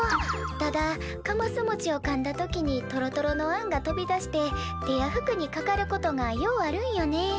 ただかますもちをかんだ時にトロトロのあんが飛び出して手や服にかかることがようあるんよね。